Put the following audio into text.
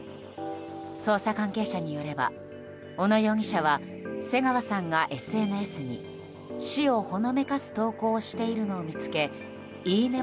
捜査関係者によれば小野容疑者は瀬川さんがＳＮＳに死をほのめかす投稿をしているのを見つけいいね